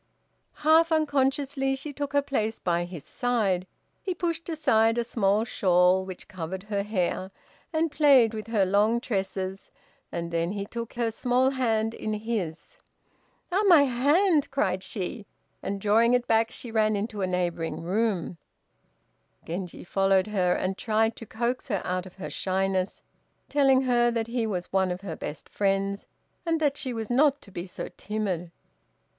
Half unconsciously she took her place by his side. He pushed aside a small shawl which covered her hair, and played with her long tresses, and then he took her small hand in his. "Ah, my hand!" cried she, and drawing it back, she ran into a neighboring room. Genji followed her, and tried to coax her out of her shyness, telling her that he was one of her best friends, and that she was not to be so timid.